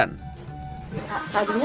tadinya saya cuma pakai kompon